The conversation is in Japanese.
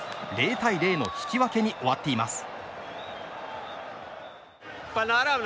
０対０の引き分けに終わっています。